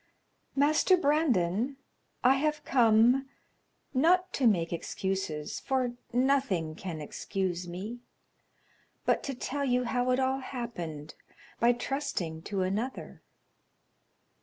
"Master Brandon, I have come, not to make excuses, for nothing can excuse me, but to tell you how it all happened by trusting to another."